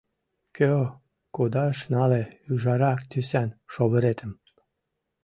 Кӧ кудаш нале ӱжара тӱсан шовыретым?..